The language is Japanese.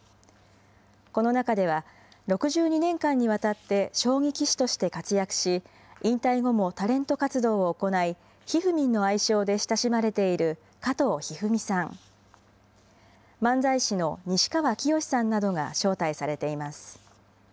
この中では、６２年間にわたって将棋棋士として活躍し、引退後もタレント活動を行い、ひふみんの愛称で親しまれている加藤一二三さん、漫才師の西川きよしさんなどが招待されています。